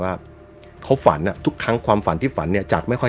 ว่าเขาฝันทุกครั้งความฝันที่ฝันเนี่ยจากไม่ค่อย